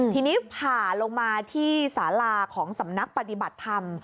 ทีนี้ผ่าลงมาที่สาลาของสำนักปฏิบัติธรรม